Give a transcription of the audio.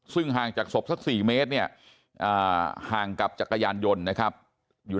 ซึ่งห่างจากศพสัก๔เมตรเนี่ยห่างกับจักรยานยนต์นะครับอยู่